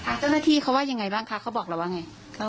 เจ้าหน้าที่เขาว่ายังไงบ้างคะเขาบอกเราว่าไง